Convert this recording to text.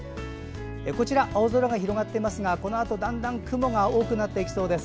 こちら、青空が広がっていますがこのあと、だんだん雲が多くなっていきそうです。